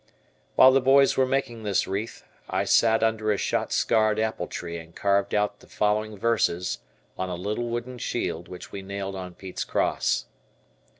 While the boys were making this wreath, I sat under a shot scarred apple tree and carved out the following verses on a little wooden shield which we nailed on Pete's cross.